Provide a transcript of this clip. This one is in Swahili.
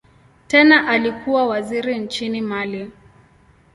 Tena alikuwa waziri nchini Mali.